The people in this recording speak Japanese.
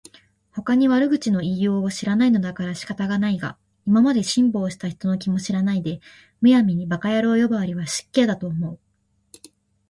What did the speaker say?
ほかに悪口の言いようを知らないのだから仕方がないが、今まで辛抱した人の気も知らないで、無闇に馬鹿野郎呼ばわりは失敬だと思う